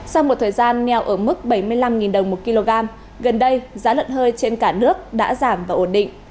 sau một thời gian neo ở mức bảy mươi năm đồng một kg gần đây giá lợn hơi trên cả nước đã giảm và ổn định